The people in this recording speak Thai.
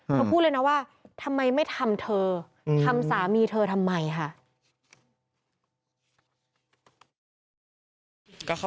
เขาพูดเลยนะว่าทำไมไม่ทำเธอทำสามีเธอทำไมค่ะ